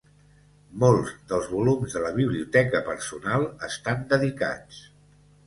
Molts dels volums de la biblioteca personal estan dedicats.